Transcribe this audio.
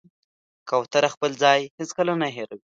کوتره خپل ځای هېڅکله نه هېروي.